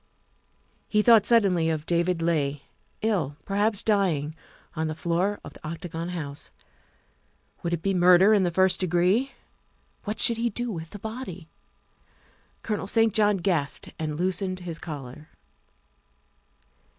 He thought suddenly of David Leigh, ill, perhaps dying, on the floor of the Octagon House. Would it be murder in the first degree? What should he do with the body? Colonel St. John gasped and loosened his collar.